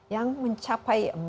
yang mencapai miliaran orang